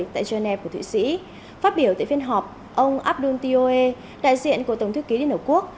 tại geneva của thụy sĩ phát biểu tại phiên họp ông abdul tioe đại diện của tổng thư ký liên hiệp quốc